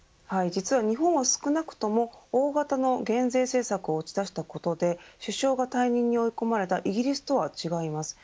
実は日本は少なくとも大型の減税政策を打ち出したことで首相が退任に追い込まれたイギリスとは違います。